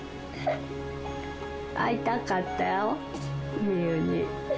会いたかったよみゆに。